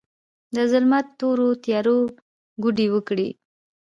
د ظلمت تورو تیارو، کوډې وکړې